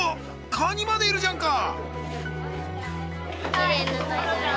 カニまでいるじゃんか。